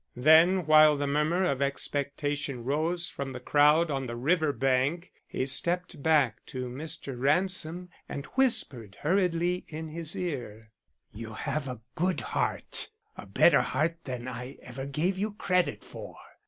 Then, while the murmur of expectation rose from the crowd on the river bank, he stepped back to Mr. Ransom and whispered hurriedly in his ear: "You have a good heart, a better heart than I ever gave you credit for.